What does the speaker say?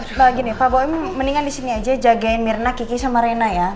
ehm lagi nih pak goim mendingan disini aja jagain mirna kiki sama rena ya